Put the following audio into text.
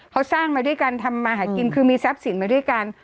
เขาสร้างมาด้วยกันทำมาหากินคือมีทรัพย์สินมาด้วยกัน